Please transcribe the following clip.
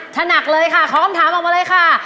ถ้าหนักเลยค่ะขอคำถามออกมาเลยค่ะ